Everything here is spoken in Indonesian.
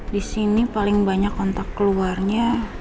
disini paling banyak kontak keluarnya